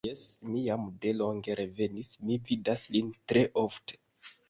Jes, li jam de longe revenis; mi vidas lin tre ofte.